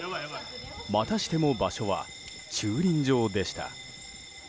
またしても場所は駐輪場でした。